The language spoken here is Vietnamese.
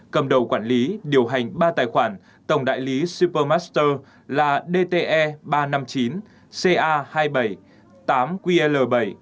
cầm đầu quản lý điều hành ba tài khoản tổng đại lý supermaster là dte ba trăm năm mươi chín ca hai trăm bảy mươi tám ql bảy